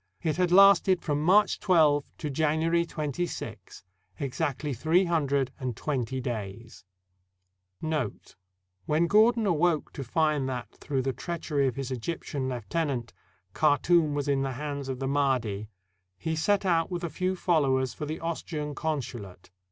It had lasted from March 12 to January 26 — exactly three hundred and twenty days. 248 THE DEATH OF GENERAL GORDON [When Gordon awoke to find that, through the treachery of his Egyptian lieutenant, Khartoum was in the hands of the Mahdi, he set out with a few followers for the Austrian con sulate.